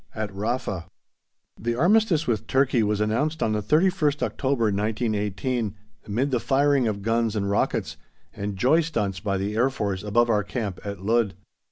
AT RAFA. The Armistice with Turkey was announced on the 31st October, 1918, amid the firing of guns and rockets and joy stunts by the Air Force above our camp at Ludd.